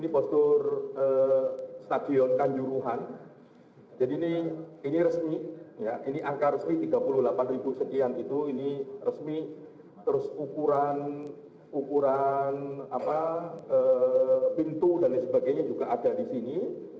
pintu dan sebagainya juga ada di sini